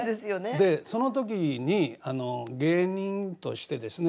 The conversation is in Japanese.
でその時に芸人としてですね